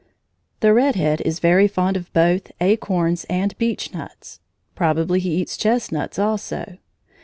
The red head is very fond of both acorns and beechnuts. Probably he eats chestnuts also.